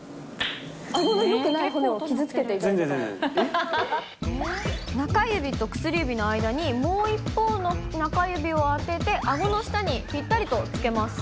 あごのよくない骨を傷つけて中指と薬指の間にもう一方の中指を当てて、あごの下にぴったりとつけます。